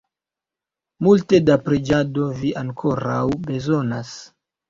Multe da preĝado vi ankoraŭ bezonas!